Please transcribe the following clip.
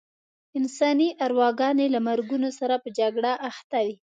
انساني ارواګانې له مرګونو سره په جګړه اخته وې.